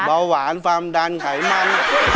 เบาหวานความดันไขมัน